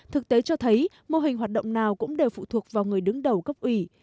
thực tế cho thấy mô hình hoạt động nào cũng đều phụ thuộc vào người đứng đầu cấp ủy